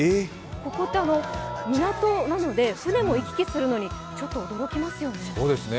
ここ、港なので船も行き来するのにちょっと驚きますよね。